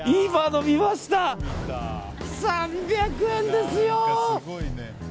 ３００円ですよ。